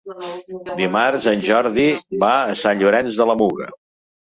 Dimarts en Jordi va a Sant Llorenç de la Muga.